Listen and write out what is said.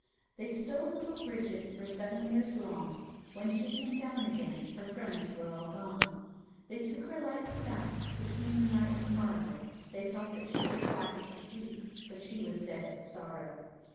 They stole little Bridget For seven years long; When she came down again Her friends were all gone. They took her lightly back, Between the night and morrow, They thought that she was fast asleep, But she was dead with sorrow.